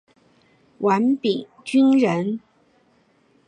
王秉鋆人。